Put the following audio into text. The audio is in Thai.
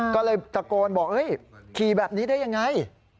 ก็เลยตะโกนบอกขี่แบบนี้ได้ยังไง